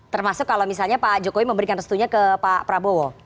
termasuk kalau misalnya pak jokowi memberikan restunya ke pak prabowo